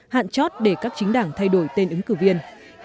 hạn chót để các chính đảng thay đổi tên ứng cử viên